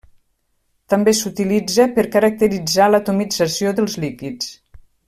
També s'utilitza per caracteritzar l'atomització dels líquids.